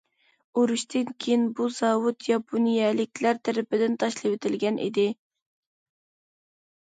ئۇرۇشتىن كېيىن بۇ زاۋۇت ياپونىيەلىكلەر تەرىپىدىن تاشلىۋېتىلگەن ئىدى.